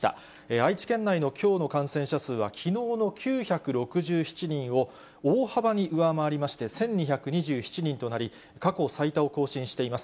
愛知県内のきょうの感染者数は、きのうの９６７人を大幅に上回りまして、１２２７人となり、過去最多を更新しています。